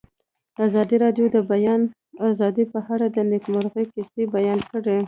ازادي راډیو د د بیان آزادي په اړه د نېکمرغۍ کیسې بیان کړې.